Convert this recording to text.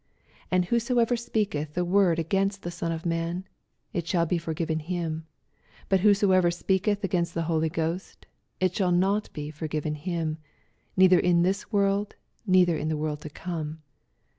82 And whosoever speaketh a word against the Son of man, it shall be foii^ven him : but whosoever ajpeaketh agamst the Holy Ghost, it shall not be foigiven him, neither in this world, neither in the toorld to come.